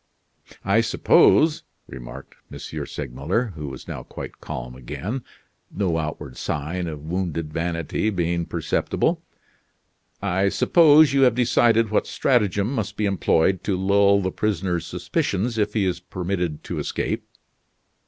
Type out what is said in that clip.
"I suppose," remarked M. Segmuller, who was now quite calm again no outward sign of wounded vanity being perceptible "I suppose you have decided what stratagem must be employed to lull the prisoner's suspicions if he is permitted to escape."